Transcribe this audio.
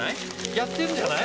やってんじゃない？